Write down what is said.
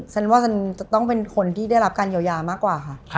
ฉันว่าฉันจะต้องเป็นคนที่ได้รับการเยียวยามากกว่าค่ะ